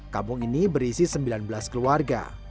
kampung ini berisi sembilan belas keluarga